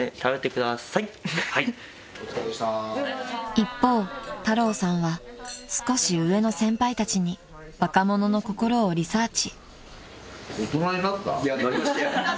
［一方太郎さんは少し上の先輩たちに若者の心をリサーチ］